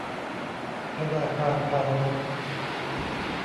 ธนาคารพาณิชย์